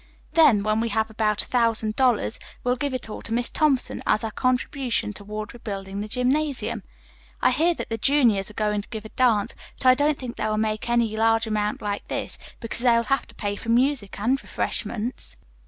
Then, when we have about a thousand dollars, we'll give it all to Miss Thompson as our contribution toward rebuilding the gymnasium. I hear that the juniors are going to give a dance, but I don't think they will make any large amount like this, because they will have to pay for music and refreshments."